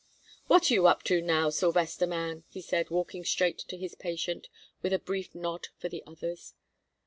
"What are you up to, now, Sylvester man?" he said, walking straight to his patient with a brief nod for the others.